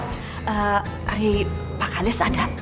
eee hari pak kandes ada